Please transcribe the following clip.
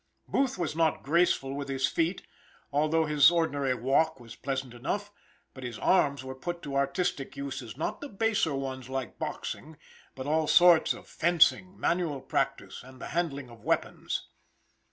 Booth was not graceful with his feet, although his ordinary walk was pleasant enough. But his arms were put to artistic uses; not the baser ones like boxing, but all sorts of fencing, manual practice, and the handling of weapons.